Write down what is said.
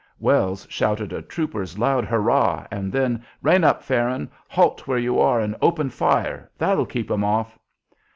Wells shouted a trooper's loud hurrah, and then, "Rein up, Farron! Halt where you are, and open fire! That'll keep 'em off!"